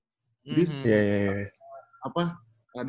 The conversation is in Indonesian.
jadi apa agak sayang sih